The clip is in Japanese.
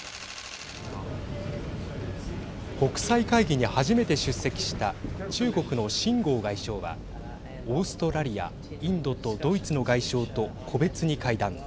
国際会議に初めて出席した中国の秦剛外相はオーストラリア、インドとドイツの外相と個別に会談。